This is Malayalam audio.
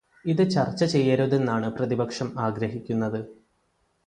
ഇതു ചർച്ച ചെയ്യരുതെന്നാണ് പ്രതിപക്ഷം ആഗ്രഹിക്കുന്നത്.